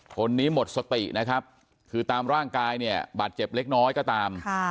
คนนี้หมดสตินะครับคือตามร่างกายเนี่ยบาดเจ็บเล็กน้อยก็ตาม